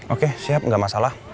oke siap gak masalah